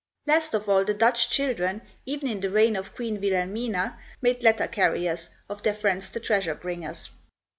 Last of all, the Dutch children, even in the reign of Queen Wilhelmina, made letter carriers of their friends the treasure bringers.